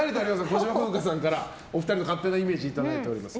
小芝風花さんからお二人の勝手なイメージいただいております。